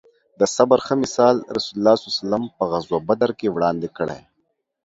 د صبر ښه مثال رسول الله ص په غزوه بدر کې وړاندې کړی